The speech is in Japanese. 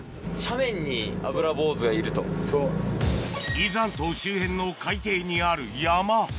伊豆半島周辺の海底にある山